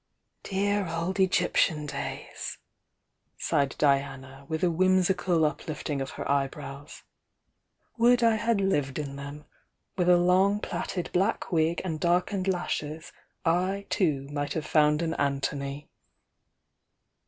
"Dear old Egyptian days!" sighed Diana, with a whimsical uplifting of her eyebrows. "Would I had lived in them! With a long plaited black wig and darkened lashes, I too, might have found an An thony!"